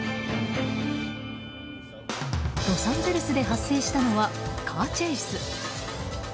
ロサンゼルスで発生したのはカーチェイス。